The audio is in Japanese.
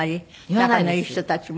仲のいい人たちも。